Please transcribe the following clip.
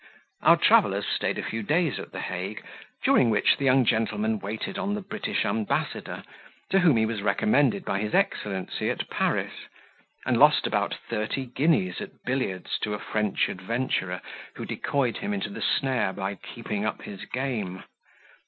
Our travellers stayed a few days at the Hague, during which the young gentleman waited on the British ambassador, to whom he was recommended by his excellency at Paris, and lost about thirty guineas at billiards to a French adventurer, who decoyed him into the snare by keeping up his game.